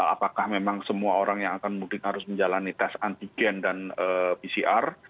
apakah memang semua orang yang akan mudik harus menjalani tes antigen dan pcr